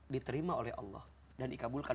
diterima oleh allah dan dikabulkan